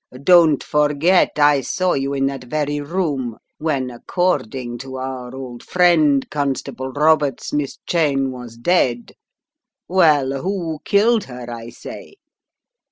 Don't forget, I saw you in that very room, when, according to our old friend, Constable Roberts, Miss Cheyne was dead. Well, who killed her, I say?